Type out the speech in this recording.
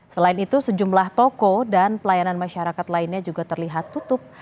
selain itu sejumlah toko dan pelayanan masyarakat lainnya juga terlihat tutup